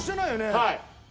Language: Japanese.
はい。